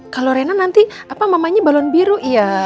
kalau rena nanti apa mamanya balon biru iya